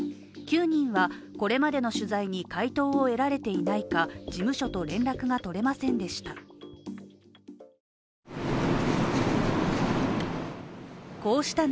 ９人は、これまでの取材に回答を得られていないか事務所と連絡が取れませんでした。